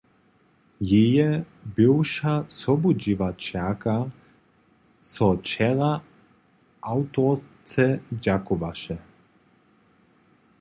Jeje bywša sobudźěłaćerka so wčera awtorce dźakowaše.